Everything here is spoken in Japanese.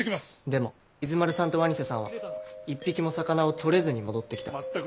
でも伊豆丸さんと鰐瀬さんは１匹も魚を捕れずに戻って来た。